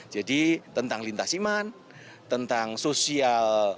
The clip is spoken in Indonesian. jadi tentang lintas iman tentang sosial